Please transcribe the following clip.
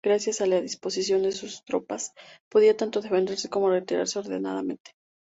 Gracias a la disposición de sus tropas podía tanto defenderse como retirarse ordenadamente.